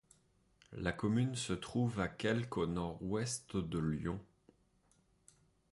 La commune se trouve à quelque au nord-ouest de Lyon.